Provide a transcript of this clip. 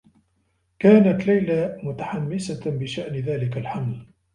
كانت ليلى متحمّسة بشأن ذلك الحمل.